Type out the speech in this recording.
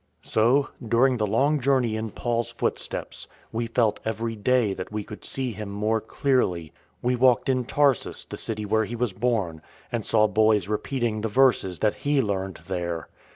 So, during the long journey in Paul's footsteps, we felt every day that we could see him more clearly. We walked in Tarsus, the city where he was born; and saw boys repeating the verses that he learned there.